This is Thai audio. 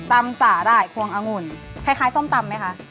สาหร่ายควงองุ่นคล้ายส้มตำไหมคะ